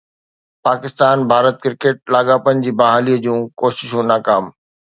پاڪستان-ڀارت cricket لاڳاپن جي بحاليءَ جون ڪوششون ناڪام